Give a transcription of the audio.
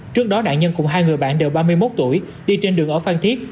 trước đó nạn nhân cùng hai người bạn đều ba mươi một tuổi đi trên đường ở phan thiết